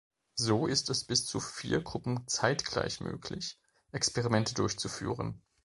So ist es bis zu vier Gruppen zeitgleich möglich, Experimente durchzuführen.